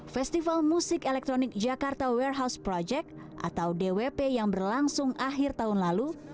festival musik elektronik jakarta warehouse project atau dwp yang berlangsung akhir tahun lalu